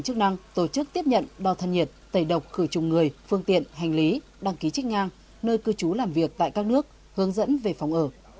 các ngành chức năng tổ chức tiếp nhận đo thân nhiệt tẩy độc cửa chung người phương tiện hành lý đăng ký trích ngang nơi cư trú làm việc tại các nước hướng dẫn về phòng ở